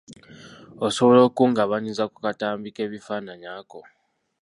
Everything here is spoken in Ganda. Osobola okungabanyiza ku katambi k'ebifaananyi ako?